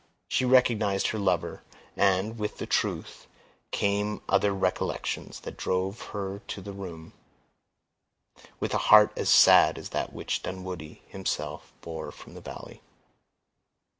She recognized her lover, and, with the truth, came other recollections that drove her to the room, with a heart as sad as that which Dunwoodie himself bore from the valley.